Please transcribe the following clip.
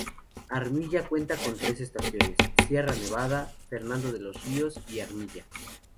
Armilla cuenta con tres estaciones: Sierra Nevada, Fernando de los Ríos y Armilla.